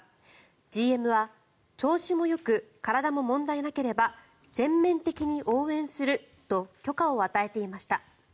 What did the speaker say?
ＧＭは、調子もよく体も問題なければ全面的に応援すると許可を与えていました。